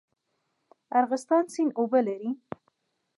ارغستان سیند اوبه لري؟